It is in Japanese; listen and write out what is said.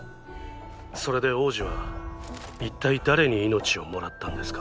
それで王子は一体誰に命をもらったんですか？